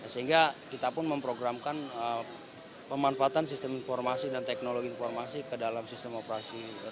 sehingga kita pun memprogramkan pemanfaatan sistem informasi dan teknologi informasi ke dalam sistem operasi